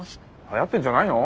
はやってんじゃないの？